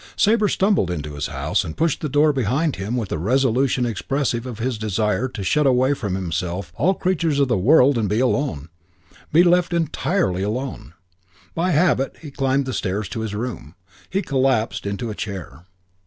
Sabre stumbled into his house and pushed the door behind him with a resolution expressive of his desire to shut away from himself all creatures of the world and be alone, be left entirely alone. By habit he climbed the stairs to his room. He collapsed into a chair.